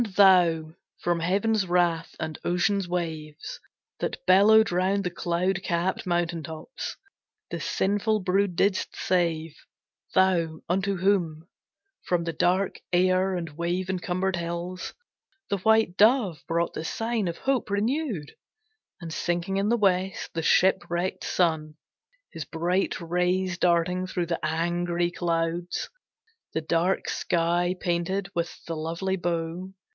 And thou from heaven's wrath, and ocean's waves, That bellowed round the cloud capped mountain tops, The sinful brood didst save; thou, unto whom, From the dark air and wave encumbered hills, The white dove brought the sign of hope renewed, And sinking in the west, the shipwrecked sun, His bright rays darting through the angry clouds, The dark sky painted with the lovely bow.